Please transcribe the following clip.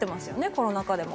コロナ禍でも。